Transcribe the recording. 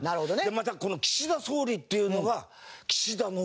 またこの岸田総理っていうのが岸田ノートって。